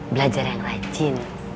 belajar yang rajin